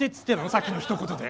さっきの一言で。